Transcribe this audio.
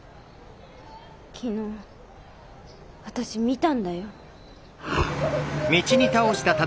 昨日私見たんだよ。